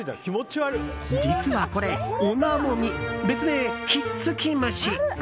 実はこれ、オナモミ別名ひっつき虫。